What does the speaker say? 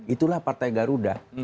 itulah partai garuda